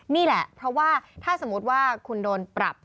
นี่แหละเพราะว่าถ้าสมมุติว่าคุณโดนปรับ